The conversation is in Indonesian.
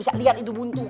enggak lihat itu buntu